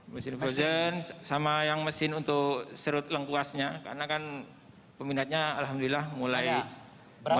mesin frozen sama yang mesin untuk serut lengkuasnya karena kan peminatnya alhamdulillah mulai